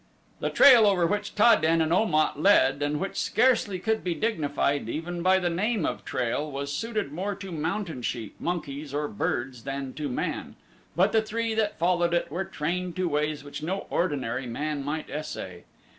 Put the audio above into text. The trail over which Ta den and Om at led and which scarcely could be dignified even by the name of trail was suited more to mountain sheep, monkeys, or birds than to man; but the three that followed it were trained to ways which no ordinary man might essay.